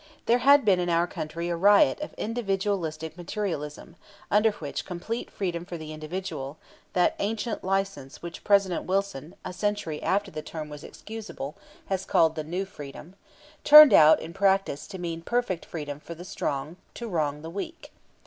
There had been in our country a riot of individualistic materialism, under which complete freedom for the individual that ancient license which President Wilson a century after the term was excusable has called the "New" Freedom turned out in practice to mean perfect freedom for the strong to wrong the weak.